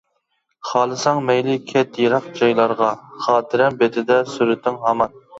خالىساڭ مەيلى كەت يىراق جايلارغا، خاتىرەم بېتىدە سۈرىتىڭ ھامان.